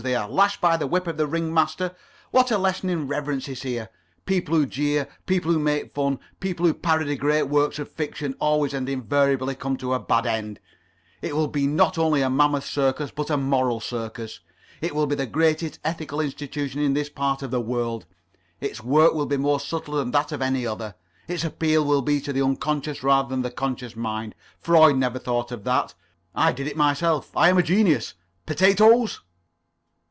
They are lashed by the whip of the ring master. What a lesson in reverence is here. People who jeer, people who make fun, people who parody great works of fiction always and invariably come to a bad end. It will be not only a [Pg 29]mammoth circus but a moral circus. It will be the greatest ethical institution in this part of the world. Its work will be more subtle than that of any other. Its appeal will be to the unconscious rather than to the conscious mind. Freud never thought of that. I did it myself. I am a genius. Potatoes."